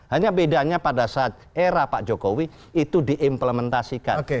hanya bedanya pada saat era pak jokowi itu diimplementasikan